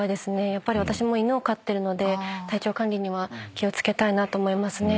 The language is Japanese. やっぱり私も犬を飼ってるので体調管理には気を付けたいなと思いますね。